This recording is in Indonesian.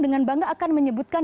dengan bangga akan menyebutkan